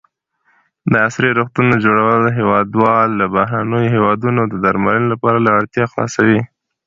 د عصري روغتونو جوړول هېوادوال له بهرنیو هېوادونو د درملنې لپاره له اړتیا خلاصوي.